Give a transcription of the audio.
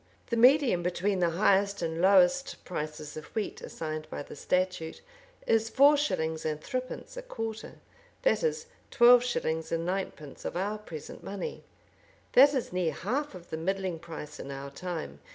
The medium between the highest and lowest prices of wheat, assigned by the statute, is four shillings and threepence a quarter; that is, twelve shillings and ninepence of our present money. This is near half of the middling price in our time.